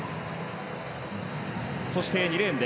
そして、２レーン。